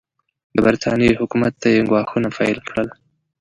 د برټانیې حکومت ته یې ګواښونه پیل کړل.